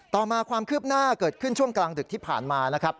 ต่อมาความคืบหน้าเกิดขึ้นช่วงกลางดึกที่ผ่านมานะครับ